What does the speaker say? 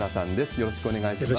よろしくお願いします。